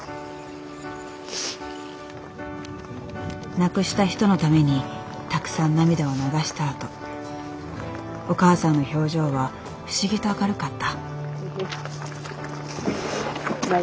亡くした人のためにたくさん涙を流したあとお母さんの表情は不思議と明るかった。